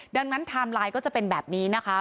ดังนั้นไทม์ไลน์ก็จะเป็นแบบนี้นะคะ